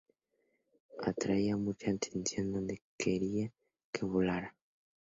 Atraía mucha atención donde quiera que volara.